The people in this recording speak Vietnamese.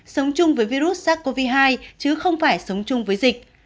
sống chung với virus sars cov hai chứ không phải sống chung với dịch